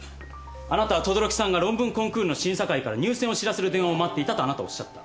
あなたは「等々力さんが論文コンクールの審査会から入選を知らせる電話を待っていた」とあなたおっしゃった。